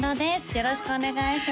よろしくお願いします